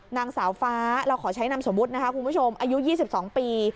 นางสาวฟ้าเราขอใช้นามสมมุตินะคะคุณผู้ชมอายุ๒๒ปี